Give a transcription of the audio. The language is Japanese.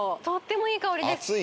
とってもいい香りです。